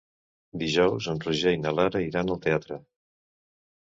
Dijous en Roger i na Lara iran al teatre.